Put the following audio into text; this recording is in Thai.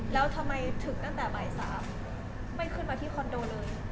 แล้วทำไมถึงตั้งแต่บ่าย๓ไม่ขึ้นมาที่คอนโดเลย